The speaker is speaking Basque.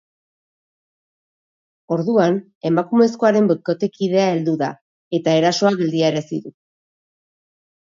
Orduan, emakumezkoaren bikotekidea heldu da, eta erasoa geldiarazi du.